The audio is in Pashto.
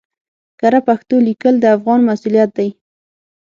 کره پښتو ليکل د افغان مسؤليت دی